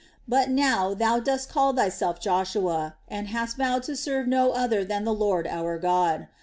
But now thou dost call thyself Joshua, and hast vowed to serve no other than the Lord our God.